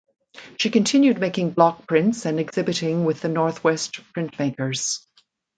She continued making block prints and exhibiting with the Northwest Printmakers.